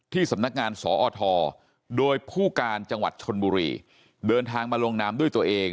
สำนักงานสอทโดยผู้การจังหวัดชนบุรีเดินทางมาลงนามด้วยตัวเอง